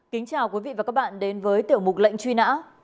kính chào quý vị và các bạn đến với tiểu mục lệnh truy nã